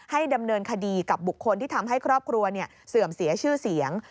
ดำเนินคดีกับบุคคลที่ทำให้ครอบครัวเสื่อมเสียชื่อเสียง